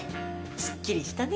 すっきりしたね。